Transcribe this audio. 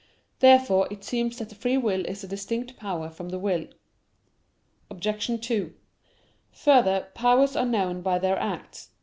Therefore it seems that free will is a distinct power from the will. Obj. 2: Further, powers are known by their acts.